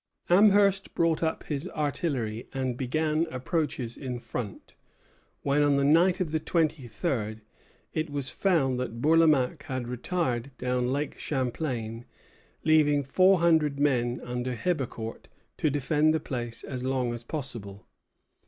Amherst brought up his artillery and began approaches in form, when, on the night of the twenty third, it was found that Bourlamaque had retired down Lake Champlain, leaving four hundred men under Hebecourt to defend the place as long as possible.